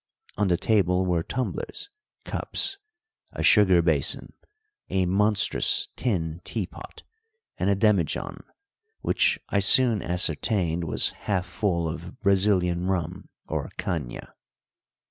On the table were tumblers, cups, a sugar basin, a monstrous tin teapot, and a demijohn, which I soon ascertained was half full of Brazilian rum, or caña.